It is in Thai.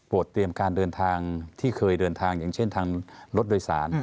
เตรียมการเดินทางที่เคยเดินทางอย่างเช่นทางรถโดยสาร